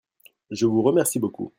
Je vous remercie beaucoup.